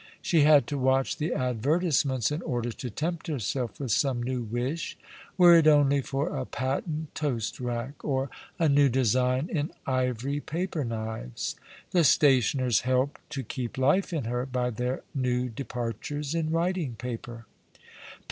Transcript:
She had to watch the advertisements in order to tempt herself with some new wish; were it only for a patent toast rack, or a new design in ivory paper knives. The stationers helped to keep life in her by their new departures in writing paper.